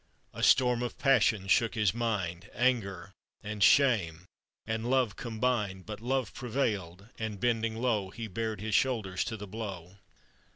A storm of passion shook his mind, Anger, and shame, and love combined ; But love prevailed, and, bending low, He bared his shoulders to the blow.